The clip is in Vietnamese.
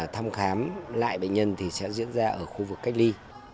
thăm khám lại bệnh nhân thì sẽ diễn ra ở khu vực cách ly